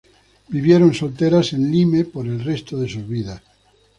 Vivieron solteras en Lyme por el resto de sus vidas.